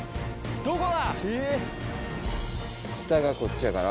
どこだ？